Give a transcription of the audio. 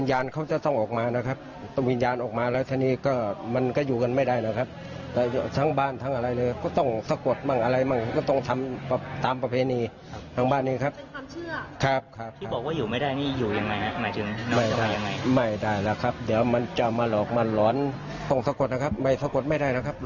อย่างวิญญาณเด็กกับวิญญาณผู้ใหญ่ที่ตายภาย